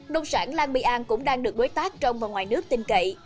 nông sản lan bi an cũng đang được đối tác trong và ngoài nước tin cậy